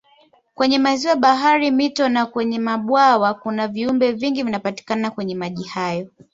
Kwenye maziwa bahari mito na kwenye mabwawa kuna viumbe vingi vinapatikana kwenye maji hayo